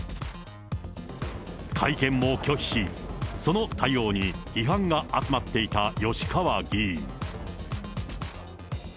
会見も拒否し、その対応に批判が集まっていた吉川議員。